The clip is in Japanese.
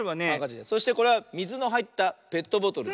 そしてこれはみずのはいったペットボトル。